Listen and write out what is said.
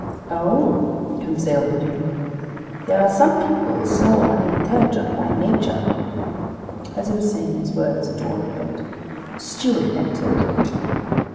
"Oh," Conseil put in, "there are some people so unintelligent by nature ..." As he was saying these words, the door opened. A steward entered.